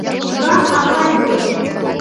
Тудлан ава кӱлеш.